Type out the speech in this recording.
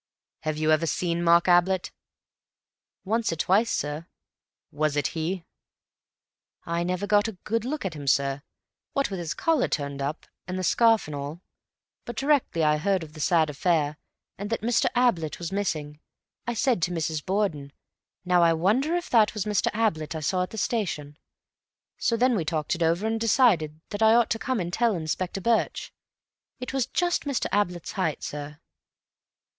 "Have you ever seen Mark Ablett?" "Once or twice, sir." "Was it he?" "I never really got a good look at him, sir, what with his collar turned up and the scarf and all. But directly I heard of the sad affair, and that Mr. Ablett was missing, I said to Mrs. Borden, 'Now I wonder if that was Mr. Ablett I saw at the station?' So then we talked it over and decided that I ought to come and tell Inspector Birch. It was just Mr. Ablett's height, sir."